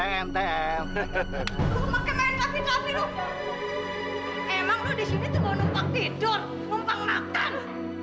emang lu di sini tuh mau numpang tidur numpang makan